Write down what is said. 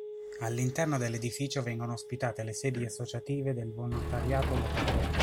All'interno dell'edificio vengono ospitate le sedi associative del volontariato locale.